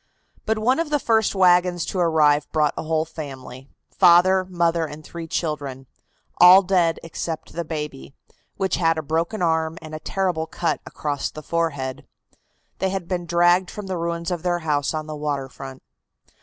But one of the first wagons to arrive brought a whole family father, mother and three children all dead except the baby, which had a broken arm and a terrible cut across the forehead. They had been dragged from the ruins of their house on the water front.